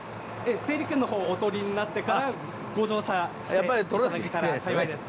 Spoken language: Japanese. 整理券の方お取りになってからご乗車して頂けたら幸いです。